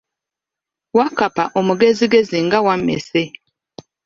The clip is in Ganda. Wakkapa omugezigezi nga wammese.